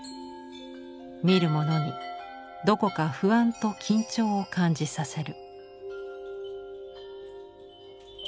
見る者にどこか不安と緊張を感じさせる。